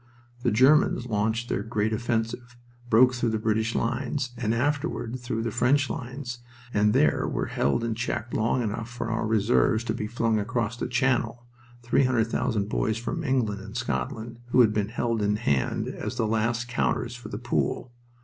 The Germans launched their great offensive, broke through the British lines, and afterward through the French lines, and there were held and checked long enough for our reserves to be flung across the Channel 300,000 boys from England and Scotland, who had been held in hand as the last counters for the pool.